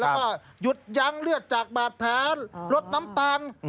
แล้วก็หยุดยั้งเลือดจากบาดแผลลดน้ำตาล